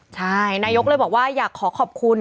ใช่นายกเลยบอกว่าอยากขอขอบคุณ